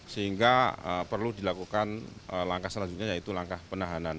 sehingga perlu dilakukan langkah selanjutnya yaitu langkah penahanan